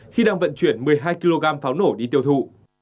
khi đang vận chuyển một mươi hai kg pháo nổ đi tiêu thụ